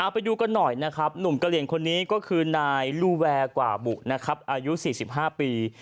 ไปดูกันหน่อยนะครับหนุ่มกะเหลี่ยงคนนี้ก็คือนายลูแวร์กว่าบุนะครับอายุ๔๕ปี